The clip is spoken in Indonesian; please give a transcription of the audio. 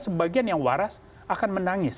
sebagian yang waras akan menangis